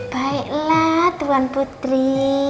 baiklah tuan putri